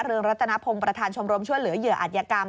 รัตนพงศ์ประธานชมรมช่วยเหลือเหยื่ออัธยกรรม